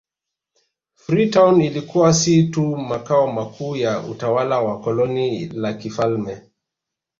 Freetown ilikuwa si tu makao makuu ya utawala wa koloni la kifalme